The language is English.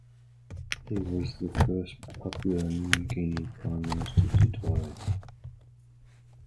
He was the first Papua New Guinea prime minister to die.